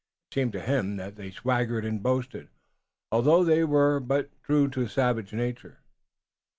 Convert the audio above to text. It seemed to him that they swaggered and boasted, although they were but true to savage nature.